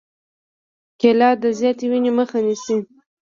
کېله د زیاتې وینې مخه نیسي.